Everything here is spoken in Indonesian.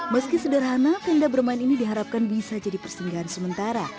meski sederhana tenda bermain ini diharapkan bisa jadi persinggahan sementara